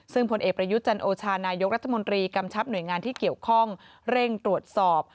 ซึ่งผลเอกประยุทธ์จันโอชานายกรัฐมนตรีกำชับหน่วยงานที่เกี่ยวข้องเร่งตรวจสอบ